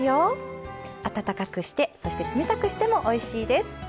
温かくしてそして冷たくしてもおいしいです。